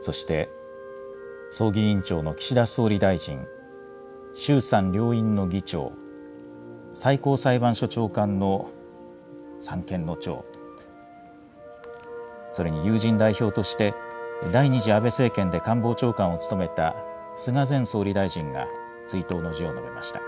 そして、葬儀委員長の岸田総理大臣、衆参両院の議長、最高裁判所長官の三権の長、それに友人代表として、第２次安倍政権で官房長官を務めた菅前総理大臣が追悼の辞を述べました。